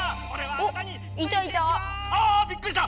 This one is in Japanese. ああびっくりした！